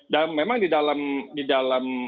dan memang di dalam